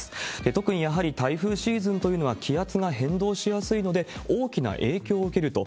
特にやはり、台風シーズンというのは気圧が変動しやすいので、大きな影響を受けると。